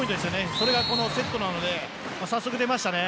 それがこのセットなので早速出ましたね。